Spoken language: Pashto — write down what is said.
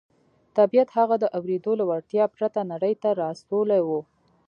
طبیعت هغه د اورېدو له وړتیا پرته نړۍ ته را استولی و